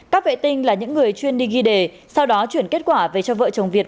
các vệ tinh là những người chuyên đi ghi đề sau đó chuyển kết quả về cho vợ chồng việt